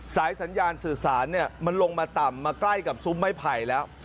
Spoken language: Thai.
สายสัญญาณสื่อสารมันลงมาต่ำมาใกล้กับซุ้มไม้ไผ่แล้ว